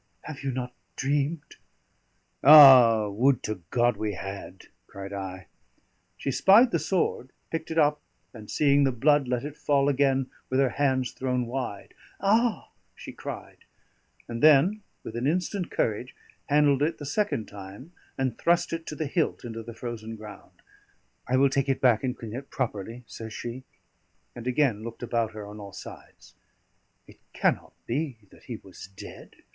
Have you not dreamed?" "Ah, would to God we had!" cried I. She spied the sword, picked it up, and seeing the blood, let it fall again with her hands thrown wide. "Ah!" she cried, and then, with an instant courage, handled it the second time, and thrust it to the hilt into the frozen ground. "I will take it back and clean it properly," says she, and again looked about her on all sides. "It cannot be that he was dead?"